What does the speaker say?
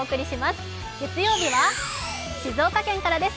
月曜日は静岡県からです。